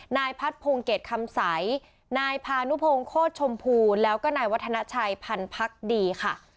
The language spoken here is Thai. นายพัฐพงเกดคำใสนายพานุโพงโคชมภูมิแล้วก็นายวัฒนาชัยพันภักดีค่ะ